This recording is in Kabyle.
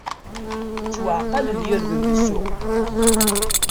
Ttwaɛqalen yirden di ssuq!